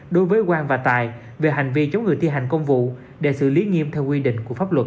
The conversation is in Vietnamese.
đối với quang và tài về hành vi chống người thi hành công vụ để xử lý nghiêm theo quy định của pháp luật